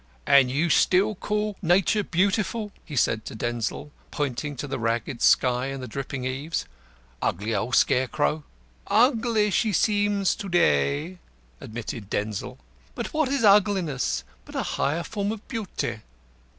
"And you still call Nature Beautiful?" he said to Denzil, pointing to the ragged sky and the dripping eaves. "Ugly old scare crow!" "Ugly she seems to day," admitted Denzil. "But what is Ugliness but a higher form of Beauty?